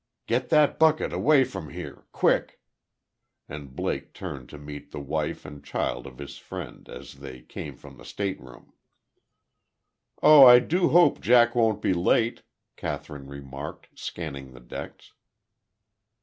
"Get that bucket away from here. Quick!" And Blake turned to meet the wife and child of his friend, as they came from the state room. "Oh, I do hope Jack won't be late," Kathryn remarked, scanning the decks.